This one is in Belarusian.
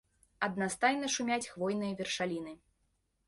Аднастайна шумяць хвойныя вершаліны.